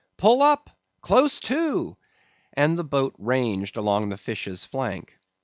"Pull up!—close to!" and the boat ranged along the fish's flank.